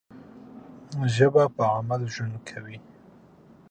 ژبه په عمل ژوند کوي.